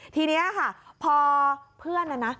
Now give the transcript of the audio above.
ทีนี้ค่ะพอเพื่อนนะนะ